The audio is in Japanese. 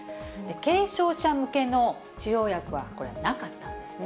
軽症者向けの治療薬は、なかったんですね。